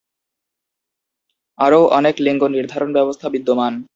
আরও অনেক লিঙ্গ-নির্ধারণ ব্যবস্থা বিদ্যমান।